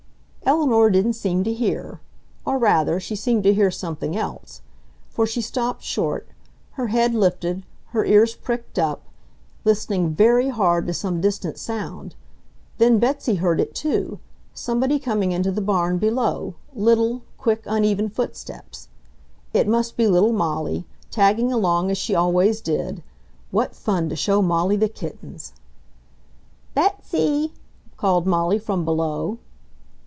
Eleanor didn't seem to hear. Or rather she seemed to hear something else. For she stopped short, her head lifted, her ears pricked up, listening very hard to some distant sound. Then Betsy heard it, too, somebody coming into the barn below, little, quick, uneven footsteps. It must be little Molly, tagging along, as she always did. What fun to show Molly the kittens! "Betsy!" called Molly from below.